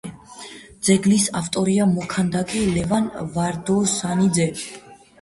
ძეგლის ავტორია მოქანდაკე ლევან ვარდოსანიძე.